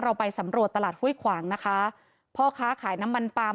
ไปสำรวจตลาดห้วยขวางนะคะพ่อค้าขายน้ำมันปลาม